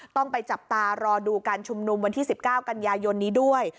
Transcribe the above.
ต้องไปจับตารอดูการชุมนุมวันที่๑๙กันยายนนี้ด้วย